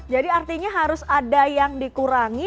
jadi artinya harus ada yang dikurangi